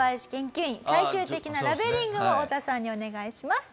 最終的なラベリングをオオタさんにお願いします。